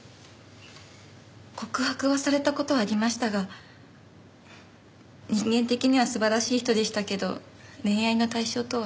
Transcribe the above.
告白はされた事はありましたが人間的には素晴らしい人でしたけど恋愛の対象とは。